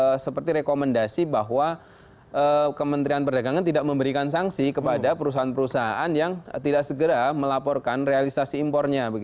ini seperti rekomendasi bahwa kementerian perdagangan tidak memberikan sanksi kepada perusahaan perusahaan yang tidak segera melaporkan realisasi impornya